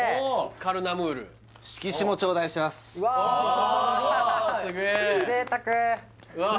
カルナムールわあ